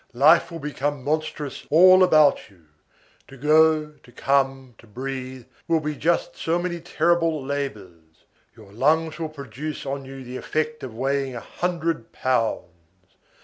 Life will become monstrous all about you. To go, to come, to breathe, will be just so many terrible labors. Your lungs will produce on you the effect of weighing a hundred pounds.